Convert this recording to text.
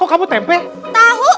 kok kamu tempe tahu